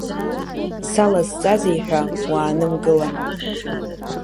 Салазҵазеи ҳәа уаанымгылан…